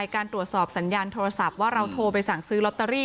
การตรวจสอบสัญญาณโทรศัพท์ว่าเราโทรไปสั่งซื้อลอตเตอรี่